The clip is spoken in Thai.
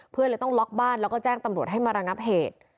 เพื่อนเลยต้องล็อกบ้านแล้วก็แจ้งตำรวจให้มาระงับเหตุ